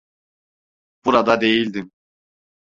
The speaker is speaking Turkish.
Burada değildim.